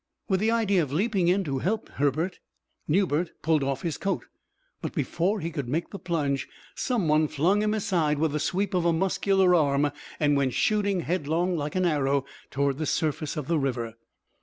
With the idea of leaping in to help Herbert, Newbert pulled off his coat; but before he could make the plunge some one flung him aside with the sweep of a muscular arm and went shooting headlong like an arrow toward the surface of the river.